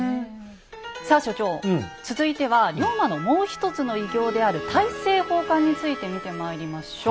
さあ所長続いては龍馬のもう一つの偉業である「大政奉還」について見てまいりましょう。